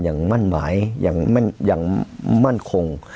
อย่างมั่นหมายอย่างมั่นคง